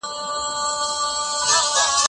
ايا ته مرسته کوې!.